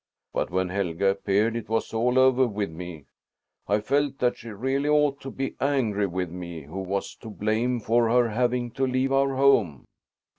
But when Helga appeared, it was all over with me. I felt that she really ought to be angry with me who was to blame for her having to leave our home."